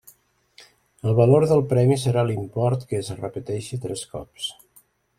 El valor del premi serà l'import que es repeteixi tres cops.